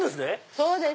そうです。